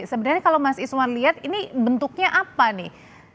sebenarnya kalau mas iswan lihat ini bentuknya apa nih